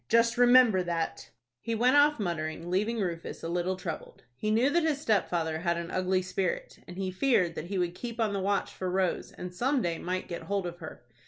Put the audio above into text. Just remember that!" He went off muttering, leaving Rufus a little troubled. He knew that his stepfather had an ugly spirit, and he feared that he would keep on the watch for Rose, and some day might get hold of her.